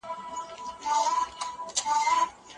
د خاوند او ميرمني تر منځ بيلتون ته شقاق ويل سوی دی.